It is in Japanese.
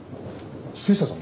杉下さん